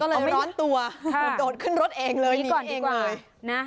ก็เลยร้อนตัวโดดขึ้นรถเองเลยหนีก่อนดีกว่า